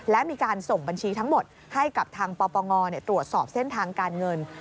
และมีการส่งบัญชีทั้งหมดให้กับทางปปงตรวจสอบเส้นทางการเงิน